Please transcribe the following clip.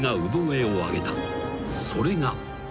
［それが］